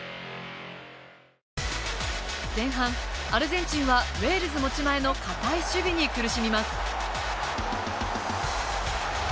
前半、アルゼンチンはウェールズ持ち前の堅い守備に苦しみます。